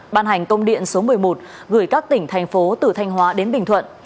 ban hành công điện số một mươi một gửi các tỉnh thành phố từ thanh hóa đến bình thuận